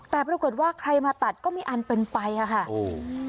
แต่ปรากฏว่าใครมาตัดก็มีอันเป็นไปอะค่ะโอ้โอ้โอโอโอโอโอ